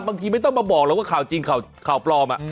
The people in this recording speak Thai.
บางทีไม่ต้องมาบอกหรอกว่าข่าวจริงข่าวปลอม